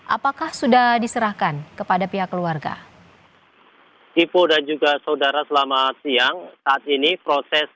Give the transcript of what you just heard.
apakah sudah diserahkan kepada pihak keluarga ipo dan juga saudara selamat siang saat ini proses